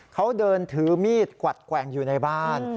เขาเดินถือมีดกวัดแกว่งอยู่ในบ้าน